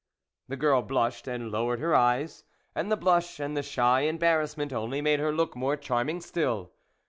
The girl blushed and lowered her eyes, and the blush and the shy embarrassment only made her look more charming still.